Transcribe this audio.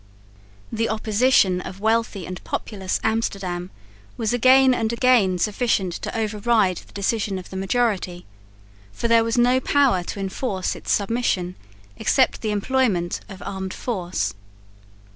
The opposition of wealthy and populous Amsterdam was again and again sufficient to override the decision of the majority, for there was no power to enforce its submission, except the employment of armed force.